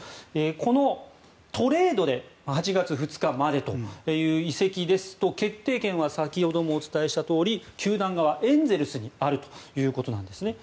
このトレードで８月２日までという移籍ですと決定権は球団側、エンゼルスにあるということなんです。